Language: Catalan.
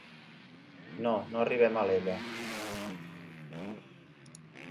No, no arribem a Alella.